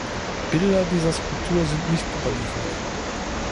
Bilder dieser Skulptur sind nicht überliefert.